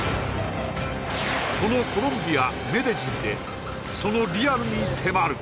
このコロンビアメデジンでそのリアルに迫る